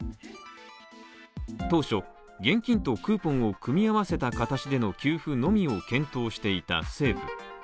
当初、現金とクーポンを組み合わせた形での給付のみを検討していた政府。